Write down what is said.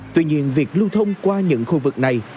tuy nhiên việc lưu thông qua những khu vực này